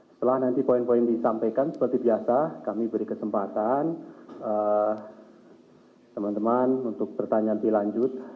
setelah nanti poin poin disampaikan seperti biasa kami beri kesempatan teman teman untuk pertanyaan lebih lanjut